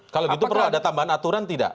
kalau gitu perlu ada tambahan aturan tidak